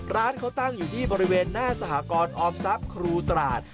ร้านเขาตั้งอยู่ที่บริเวณหน้าสหกรออมทรัพย์ครูตราด